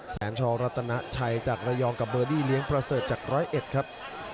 แสนชอรัตนาชัยจากระยองกับเบอร์ดี้เลี้ยงประเสริฐจากร้อยเอ็ดครับ